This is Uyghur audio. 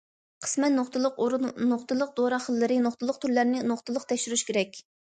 قىسمەن نۇقتىلىق ئورۇن، نۇقتىلىق دورا خىللىرى، نۇقتىلىق تۈرلەرنى نۇقتىلىق تەكشۈرۈش كېرەك.